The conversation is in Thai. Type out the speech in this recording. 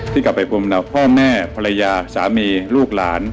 ที่กลับไปปรุงประมาณพ่อแม่ภรรยาสามีลูกหลาน